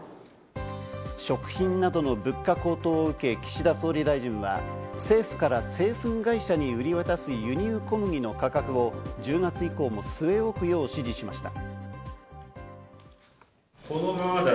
食品などの物価高騰を受け岸田総理大臣は政府から製粉会社に売り渡す輸入小麦の価格を１０月以降も据え置くよう指示しました。